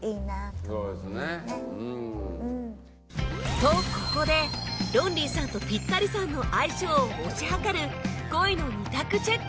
とここでロンリーさんとピッタリさんの相性を推し量る恋の２択チェック！